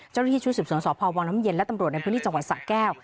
เจ้าหน้าที่ชุดสืบสวนสพวังน้ำเย็นและตำรวจในพื้นที่จังหวัดสะแก้ว